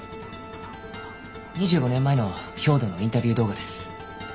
２５年前の兵働のインタビュー動画です。